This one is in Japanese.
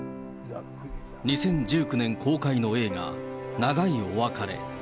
２０１９年公開の映画、長いお別れ。